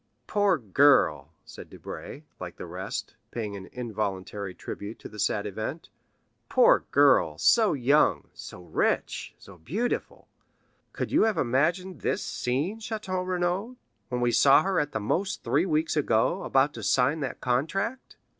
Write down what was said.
"Poor girl," said Debray, like the rest, paying an involuntary tribute to the sad event,—"poor girl, so young, so rich, so beautiful! Could you have imagined this scene, Château Renaud, when we saw her, at the most three weeks ago, about to sign that contract?"